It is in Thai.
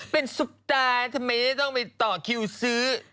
เป็นซุปตาทำไมจะต้องไปต่อคิวซื้อ